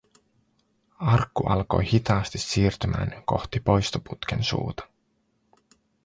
Arkku alkoi hitaasti siirtymään kohti poistoputken suuta.